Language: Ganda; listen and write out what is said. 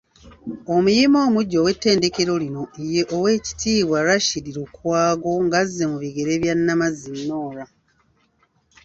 Omuyima omuggya ow’ettendekero lino ye Owek.Rashid Lukwago ng’azze mu bigere bya Namazzi Norah.